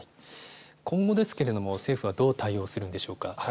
今後ですけれども政府はどう対応するのでしょうか。